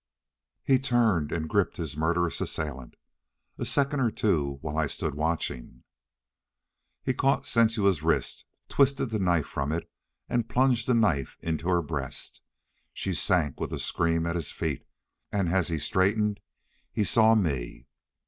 He turned and gripped his murderous assailant. A second or two while I stood watching. He caught Sensua's wrist, twisted the knife from it and plunged the knife into her breast. She sank with a scream at his feet, and as he straightened he saw me.